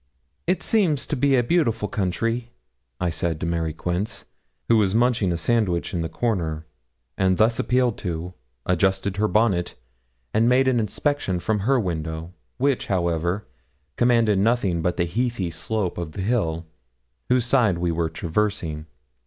'It seems to be a beautiful country,' I said to Mary Quince, who was munching a sandwich in the corner, and thus appealed to, adjusted her bonnet, and made an inspection from her window, which, however, commanded nothing but the heathy slope of the hill whose side we were traversing.